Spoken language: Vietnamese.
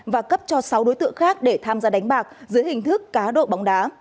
và cấp cho sáu đối tượng khác để tham gia đánh bạc dưới hình thức cá độ bóng đá